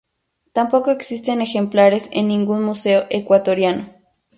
Tampoco existen ejemplares en ningún museo ecuatoriano.